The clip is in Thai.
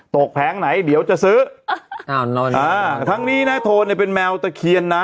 แผงไหนเดี๋ยวจะซื้อทั้งนี้นะโทนเนี่ยเป็นแมวตะเคียนนะ